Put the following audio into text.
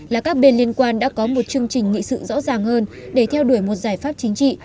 là các bên liên quan đã có một chương trình nghị sự rõ ràng hơn để theo đuổi một giải pháp chính trị